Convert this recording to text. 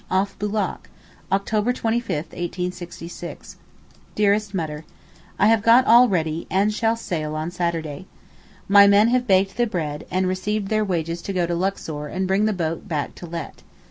OFF BOULAK, October 25, 1866. DEAREST MUTTER, I have got all ready, and shall sail on Saturday. My men have baked the bread, and received their wages to go to Luxor and bring the boat back to let.